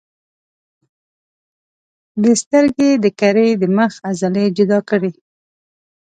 د سترګې د کرې د مخ عضلې جلا کړئ.